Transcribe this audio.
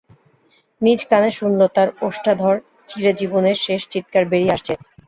নিজ কানে শুনল, তার ওষ্ঠাধর চিরে জীবনের শেষ চিৎকার বেরিয়ে আসছে।